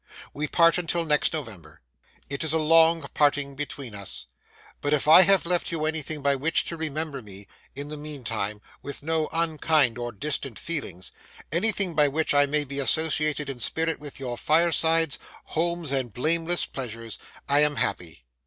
We part until next November. It is a long parting between us, but if I have left you anything by which to remember me, in the meanwhile, with no unkind or distant feelings—anything by which I may be associated in spirit with your firesides, homes, and blameless pleasures—I am happy.